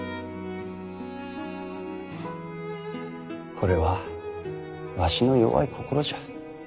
これはわしの弱い心じゃ。